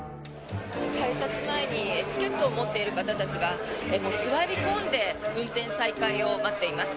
改札前にチケットを持っている方たちが座り込んで運転再開を待っています。